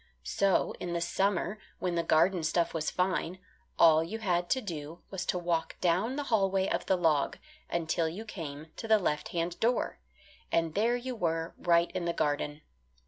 So in the summer when the garden stuff was fine, all you had to do was to walk down the hallway of the log, until you came to the left hand door, and there you were right in the garden.